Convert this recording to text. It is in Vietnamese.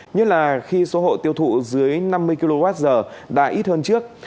như là khi số hộ tiêu thụ dưới năm mươi kwh đã ít hơn trước